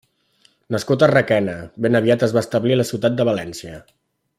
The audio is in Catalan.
Nascut a Requena, ben aviat es va establir a la ciutat de València.